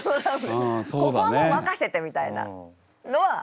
ここはもう任せてみたいなのはありました。